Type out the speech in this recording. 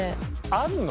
あるの？